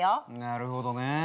なるほどね。